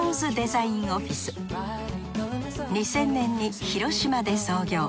２０００年に広島で創業。